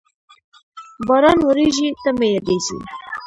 باران ورېږي، ته مې یادېږې